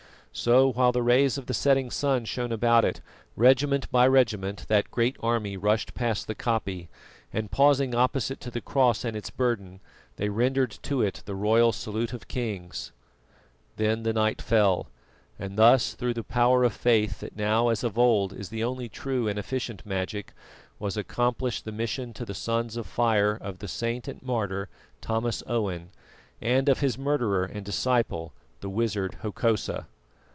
So, while the rays of the setting sun shone about it, regiment by regiment that great army rushed past the koppie, and pausing opposite to the cross and its burden, they rendered to it the royal salute of kings. Then the night fell, and thus through the power of Faith that now, as of old, is the only true and efficient magic, was accomplished the mission to the Sons of Fire of the Saint and Martyr, Thomas Owen, and of his murderer and disciple, the Wizard Hokosa.